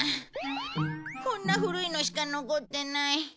こんな古いのしか残ってない。